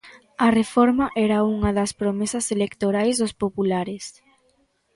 A reforma era unha das promesas electorais dos populares.